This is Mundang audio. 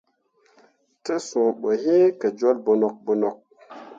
Te suu ɓo yi ke jol bonok bonok.